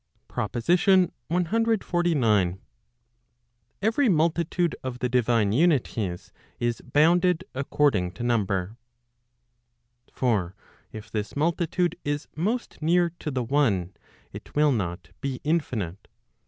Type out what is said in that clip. PROPOSITION CXLIX. Every multitude of the divine unities is bounded according to number. For if this multitude is most near to the one it will not be infinite.